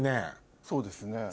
そうですね。